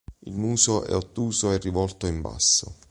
Il muso è ottuso e rivolto in basso.